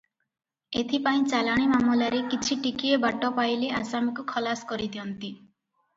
ଏଥି ପାଇଁ ଚାଲାଣି ମାମଲାରେ କିଛି ଟିକିଏ ବାଟ ପାଇଲେ ଆସାମୀକୁ ଖଲାସ କରି ଦିଅନ୍ତି ।